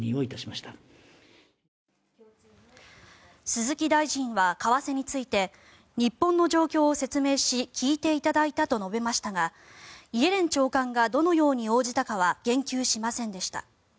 鈴木大臣は為替について日本の状況を説明し聞いていただいたと述べましたがイエレン長官がどのように応じたかは言及しませんでした。